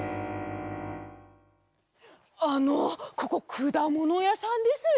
あのここくだものやさんですよね？